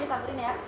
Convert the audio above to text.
ini tamburin ya